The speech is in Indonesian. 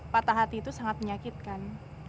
patah hati itu sangat menyakitkan